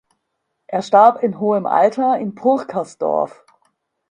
Er starb in hohem Alter in Purkersdorf.